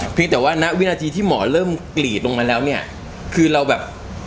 เพียงแต่ว่าณวินาทีที่หมอเริ่มกรีดตรงนั้นแล้วเนี่ยคือเราแบบ